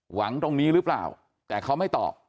หวังตรงนี้หรือเปล่าแต่เขาไม่ตอบ